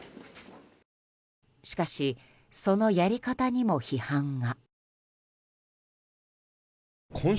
しかし、そのやり方にも批判が。